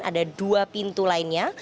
ada dua pintu lainnya